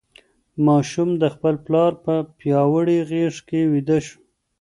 ماشوم د خپل پلار په پیاوړې غېږ کې ویده شو.